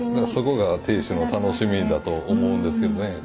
そこが亭主の楽しみだと思うんですけどね。